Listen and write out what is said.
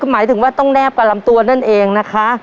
หมายถึงว่าต้องแนบกับลำตัวนั่นเองนะคะ